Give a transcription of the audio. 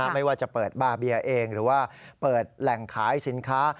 ไม่ว่าจะเปิดบาร์เบียเองหรือว่าเปิดแหล่งขายสินค้า